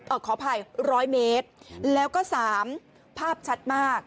ขออภัยร้อยเมตรแล้วก็สามภาพชัดมาก